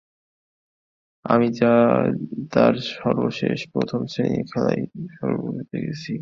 তিনি যা তার সর্বশেষ প্রথম-শ্রেণীর খেলায় অংশগ্রহণ ছিল।